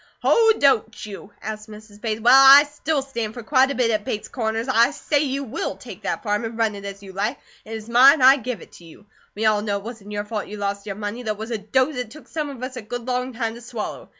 "Oh, don't you?" asked Mrs. Bates. "Well, I still stand for quite a bit at Bates Corners, and I say you WILL take that farm, and run it as you like. It is mine, I give it to you. We all know it wasn't your fault you lost your money, though it was a dose it took some of us a good long time to swallow.